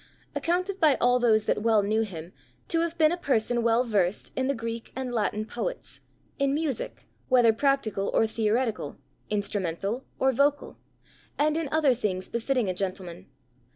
Accounted by all those that well knew him, to have been a person well vers'd in the Greek and Latin poets, in music, whether practical or theoretical, instrumental or vocal, and in other things befitting a gentleman.